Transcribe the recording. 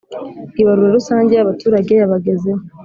ibarura rusange yabaturage yabagezeho